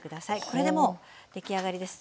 これでもう出来上がりです。